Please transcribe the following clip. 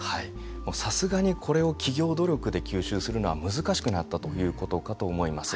さすがにこれを企業努力で吸収するのは難しくなったということかと思います。